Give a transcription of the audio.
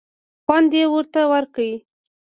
خوند یې ورته ورکړ.